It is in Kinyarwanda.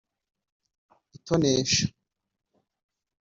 itonesha